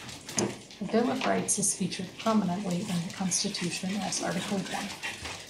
A bill of rights is featured prominently in the constitution as Article One.